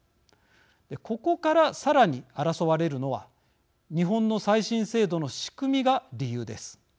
ここから、さらに争われるのは日本の再審制度の仕組みが理由です。